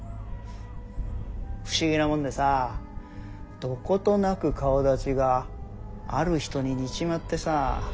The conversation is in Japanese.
不思議なもんでさどことなく顔だちがある人に似ちまってさ。